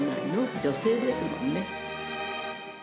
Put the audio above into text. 女性ですもんね。